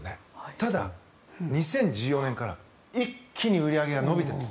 ただ、２０１４年から一気に売り上げが伸びている。